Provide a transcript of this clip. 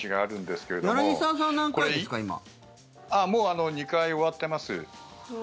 もう２回終わっています。